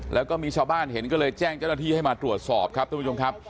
แล้วก็มีชาวบ้านเห็นก็เลยแจ้งเจ้าหน้าที่ให้มาตรวจสอบครับทุกผู้ชมครับ